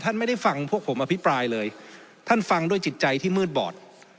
ไม่ได้ฟังพวกผมอภิปรายเลยท่านฟังด้วยจิตใจที่มืดบอด